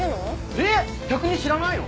えっ逆に知らないの！？